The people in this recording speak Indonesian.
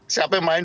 siapa yang main